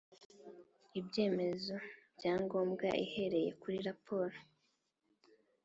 Ibyemezo bya ngombwa ihereye kuri raporo